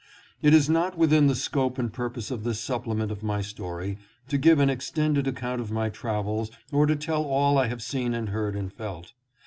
It is not within the scope and purpose of this sup plement of my story to give an extended account of my travels or to tell all I have seen and heard and felt.